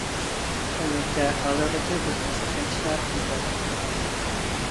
ئەلۋەتتە، ھازىرغىچە بىز ئەنسىرىگەن ئىشلار يۈز بەرمىدى.